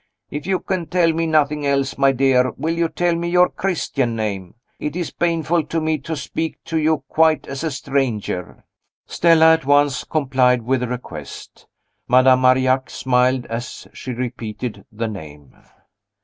If you can tell me nothing else, my dear, will you tell me your Christian name? It is painful to me to speak to you quite as a stranger." Stella at once complied with the request. Madame Marillac smiled as she repeated the name.